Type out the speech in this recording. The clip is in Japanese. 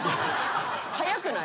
早くない？